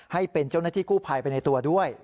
ให้เป็นเจ้าหน้าที่กู้ภัยไปในตัวด้วย